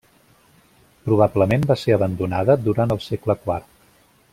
Probablement va ser abandonada durant el segle quart.